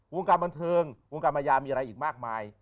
วงการบันเทิงวงการมายามีอะไรอีกมากมาย